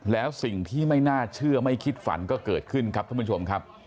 แล้วสิ่งที่ไม่น่าเชื่อไม่คิดฝันก็เกิดขึ้นครับท่านผู้ชมครับ